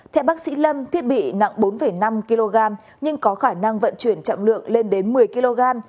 theo bác sĩ lâm thiết bị nặng bốn năm kg nhưng có khả năng vận chuyển trọng lượng lên đến một mươi kg